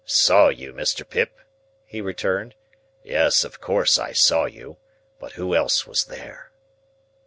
"Saw you, Mr. Pip!" he returned. "Yes, of course I saw you. But who else was there?"